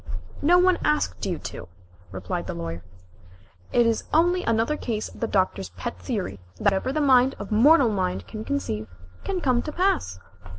"No one asked you to," replied the Lawyer. "It is only another case of the Doctor's pet theory that whatever the mind of mortal mind can conceive, can come to pass."